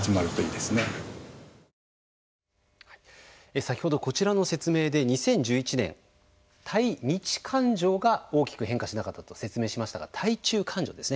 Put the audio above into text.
先ほどこちらの説明で２０１１年対日感情が大きく変化しなかったと説明しましたが対中感情ですね。